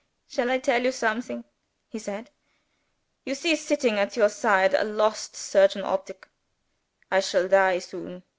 "Shall I tell you something?" he said. "You see sitting at your side a lost surgeon optic. I shall die soon.